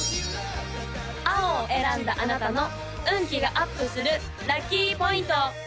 青を選んだあなたの運気がアップするラッキーポイント！